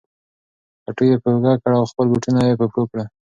پټو یې په اوږه کړ او خپل بوټونه یې په پښو کړل.